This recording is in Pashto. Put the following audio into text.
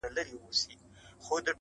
• ځوان په لوړ ږغ.